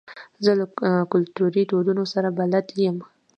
زه له کلتوري دودونو سره بلد یم.